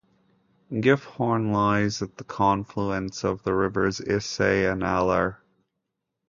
Gifhorn lies at the confluence of the Rivers Ise and Aller.